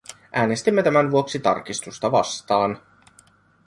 Äänestimme tämän vuoksi tarkistusta vastaan.